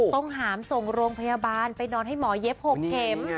ต้องหามส่งโรงพยาบาลไปนอนให้หมอเย็บ๖เข็ม